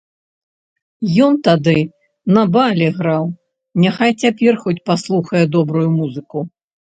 Ён тады на балі граў, няхай цяпер хоць паслухае добрую музыку.